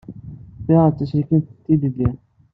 Ta d taselkimt n Tilelli.